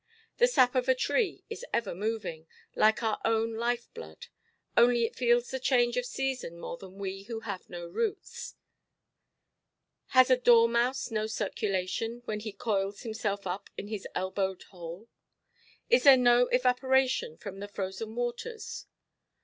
The sap of a tree is ever moving, like our own life–blood; only it feels the change of season more than we who have no roots. Has a dormouse no circulation, when he coils himself up in his elbowed hole? Is there no evaporation from the frozen waters?